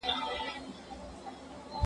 هغه له تګ وروسته ارام شوی و.